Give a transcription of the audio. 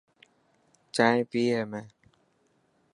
جائن پئي هي ۾.